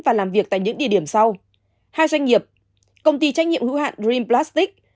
và làm việc tại những địa điểm sau hai doanh nghiệp công ty trách nhiệm hữu hạn dream plastic